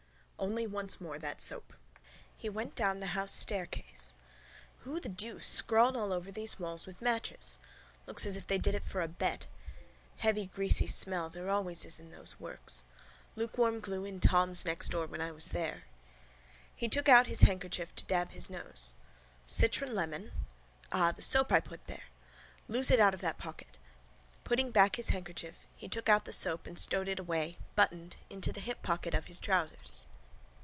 ONLY ONCE MORE THAT SOAP He went down the house staircase. Who the deuce scrawled all over those walls with matches? Looks as if they did it for a bet. Heavy greasy smell there always is in those works. Lukewarm glue in Thom's next door when I was there. He took out his handkerchief to dab his nose. Citronlemon? Ah, the soap I put there. Lose it out of that pocket. Putting back his handkerchief he took out the soap and stowed it away, buttoned, into the hip pocket of his trousers.